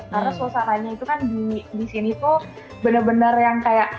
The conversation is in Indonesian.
karena suasananya itu kan di sini tuh benar benar yang kayak